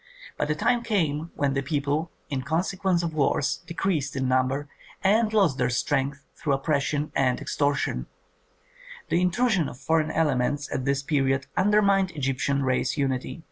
But a time came when the people, in consequence of wars, decreased in number and lost their strength through oppression and extortion; the intrusion of foreign elements at this period undermined Egyptian race unity.